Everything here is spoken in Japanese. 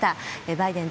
バイデン